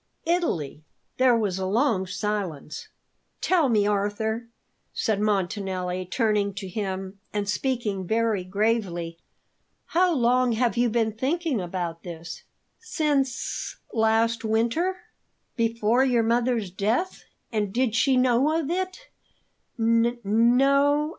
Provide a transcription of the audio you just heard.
"Italy." There was a long silence. "Tell me, Arthur," said Montanelli, turning to him and speaking very gravely, "how long have you been thinking about this?" "Since last winter." "Before your mother's death? And did she know of it?" "N no.